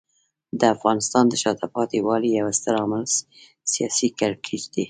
د افغانستان د شاته پاتې والي یو ستر عامل سیاسي کړکېچ دی.